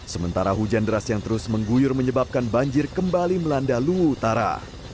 sementara hujan deras yang terus mengguyur menyebabkan banjir kembali melanda luwu utara